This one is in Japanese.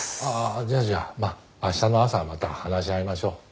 じゃあじゃあまあ明日の朝また話し合いましょう。